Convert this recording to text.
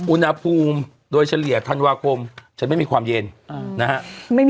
อุณหภูมิโดยเฉลี่ยธันวาคมจะไม่มีความเย็นนะฮะ